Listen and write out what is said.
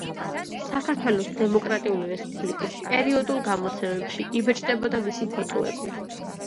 საქართველოს დემოკრატიული რესპუბლიკის პერიოდულ გამოცემებში იბეჭდებოდა მისი ფოტოები.